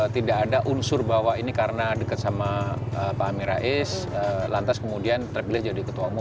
tidak ada unsur bahwa ini karena dekat sama pak amin rais lantas kemudian terpilih jadi ketua umum